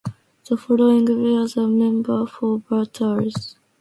The following were the members for Berthier.